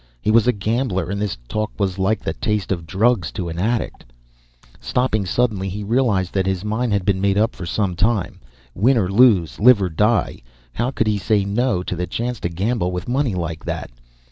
He was a gambler and this talk was like the taste of drugs to an addict. Stopping suddenly, he realized that his mind had been made up for some time. Win or lose live or die how could he say no to the chance to gamble with money like that!